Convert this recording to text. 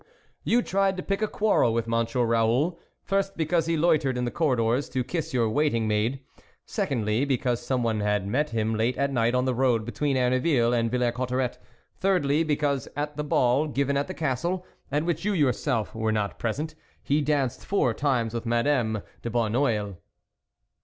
" You tried to pick a quarrel with Mon sieur Raoul, first because he loitered in the corridors to kiss your waiting maid ; secondly, because someone had met him late at night on the road between Erne ville and Villers Cotterets ; thirdly, be cause, at the ball given at the Castle, at which you yourself were not present, he danced four times with Madame de Bon neuil."